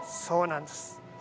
そうなんです。